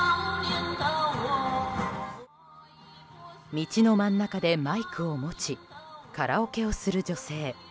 道の真ん中でマイクを持ちカラオケをする女性。